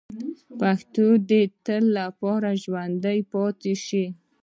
پښتو دې د تل لپاره ژوندۍ پاتې شي.